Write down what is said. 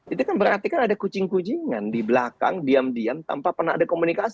itu kan berarti kan ada kucing kucingan di belakang diam diam tanpa pernah ada komunikasi